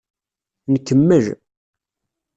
Nkemmel.